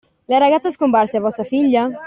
La ragazza scomparsa è vostra figlia?